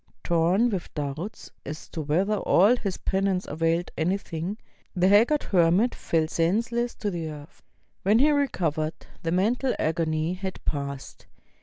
Tom with doubts as to whether all his penance availed anything, the haggard hermit fell senseless to the earth. When he recovered, the mental agony had passed.